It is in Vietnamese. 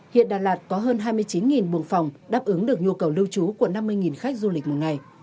hiện đà lạt có hơn hai mươi chín buồng phòng đáp ứng được nhu cầu lưu trú của năm mươi khách du lịch một ngày